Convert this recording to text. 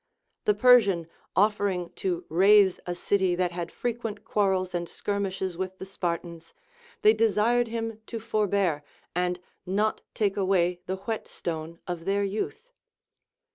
The Persian offering to raze a city that had frequent quarrels and skir mishes with the Spartans, they desired him to forbear and not take away the whetstone of their youth.